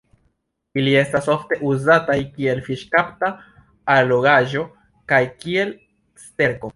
Ili estas ofte uzataj kiel fiŝkapta allogaĵo kaj kiel sterko.